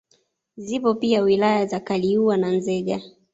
Zipo pia wilaya za Kaliua na Nzega